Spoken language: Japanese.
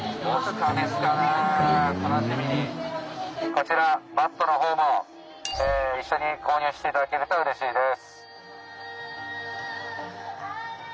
こちらマットのほうも一緒に購入して頂けるとうれしいです。